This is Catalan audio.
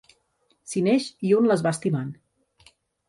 S'hi neix i un les va estimant